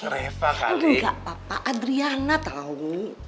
reva kali enggak papa adriana tau